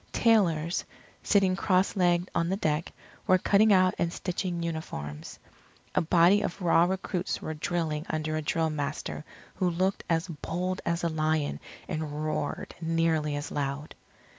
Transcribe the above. Tailors, sitting cross legged on the deck, were cutting out and stitching uniforms. A body of raw recruits were drilling under a drill master who looked as bold as a lion and roared nearly as loud.